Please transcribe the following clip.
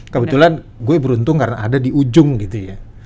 kebetulan gue beruntung karena ada di ujung gitu ya